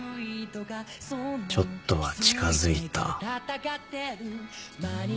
ちょっとは近づいたよな。